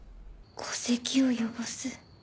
戸籍を汚す？